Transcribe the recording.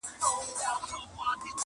بیا تر مرګه مساپر یم نه ستنېږم!